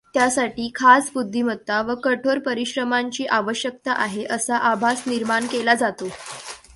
त्यासाठी खास बुध्दिमत्ता व कठोर परिश्रमांची आवश्यकता आहे, असा आभास निर्माण केला जातो.